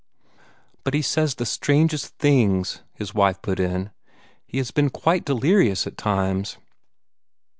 "But he says the strangest things," the wife put in. "He has been quite delirious at times."